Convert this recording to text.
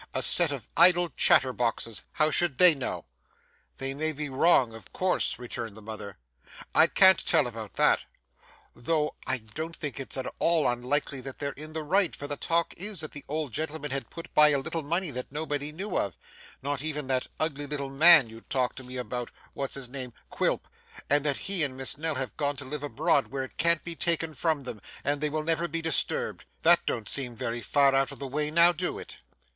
A set of idle chatterboxes, how should they know!' 'They may be wrong of course,' returned the mother, 'I can't tell about that, though I don't think it's at all unlikely that they're in the right, for the talk is that the old gentleman had put by a little money that nobody knew of, not even that ugly little man you talk to me about what's his name Quilp; and that he and Miss Nell have gone to live abroad where it can't be taken from them, and they will never be disturbed. That don't seem very far out of the way now, do it?